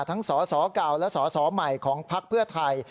ทั้งสอสอเก่าและสอสอใหม่ของภักดิ์เพื่อไทย